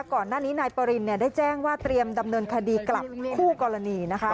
ก่อนหน้านี้นายปรินได้แจ้งว่าเตรียมดำเนินคดีกลับคู่กรณีนะคะ